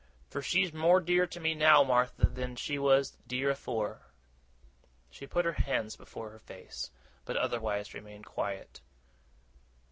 'Fur she's more dear to me now, Martha, than she was dear afore.' She put her hands before her face; but otherwise remained quiet.